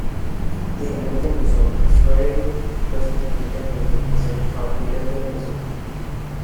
The American bison is very closely related to the wisent or European bison.